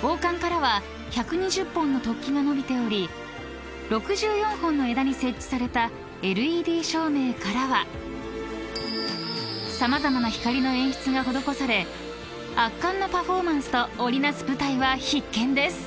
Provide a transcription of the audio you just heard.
［王冠からは１２０本の突起がのびており６４本の枝に設置されたＬＥＤ照明からは様々な光の演出が施され圧巻のパフォーマンスと織り成す舞台は必見です］